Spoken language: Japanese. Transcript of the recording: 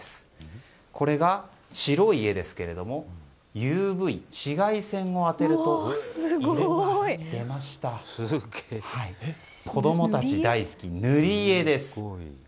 これが白い絵ですけれどもＵＶ、紫外線を当てると子供たち、大好き塗り絵です。